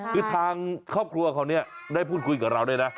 คือทางครอบครัวเขาเนี่ยได้พูดคุยกับเราด้วยนะ